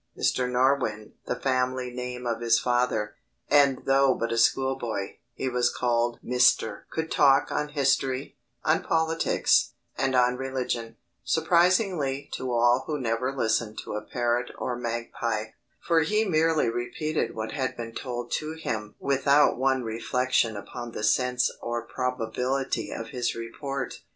Mr. Norwynne (the family name of his father, and though but a school boy, he was called Mister) could talk on history, on politics, and on religion; surprisingly to all who never listened to a parrot or magpie for he merely repeated what had been told to him without one reflection upon the sense or probability of his report.